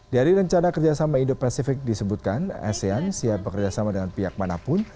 dari rencana kerjasama indo pacific disebutkan asean siap bekerjasama dengan pihak manapun